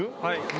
はい。